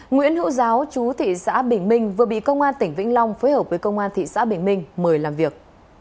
nguyễn hữu giáo chú thị xã bình minh vừa bị công an tỉnh vĩnh long phối hợp với công an thị xã bình minh mời làm việc